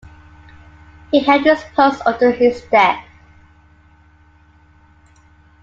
He held this post until his death.